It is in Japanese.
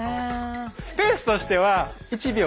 ペースとしては１秒。